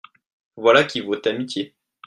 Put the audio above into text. Voilà qui vaut amitié.